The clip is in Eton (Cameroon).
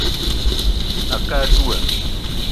A kə á dula